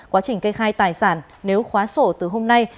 quá trình kê khai tài sản nếu khóa sổ từ hôm nay